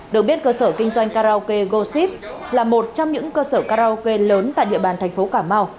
được biết cơ sở kinh doanh karaoke goshi là một trong những cơ sở karaoke lớn tại địa bàn thành phố cà mau